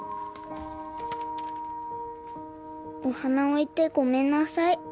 「お花おいてごめんなさい」